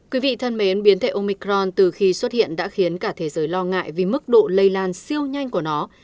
quý vị thân mến biến thể omicron từ khi xuất hiện đã khiến cả thế giới lo ngại vì mức độ lây lan siêu nhanh của nó